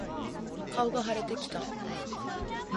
顔が腫れてきた。